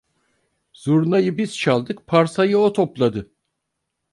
Zurnayı biz çaldık parsayı o topladı.